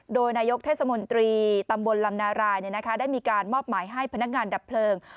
โดยนายกเทศมนตรีตำบลลำนารายได้มีการมอบหมายให้พนักงานดับเพลิง